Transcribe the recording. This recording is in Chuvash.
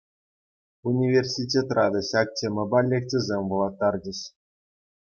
Университетра та ҫак темӑпа лекцисем вулаттарчӗҫ.